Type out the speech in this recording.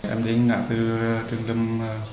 em đến ngã từ trường năm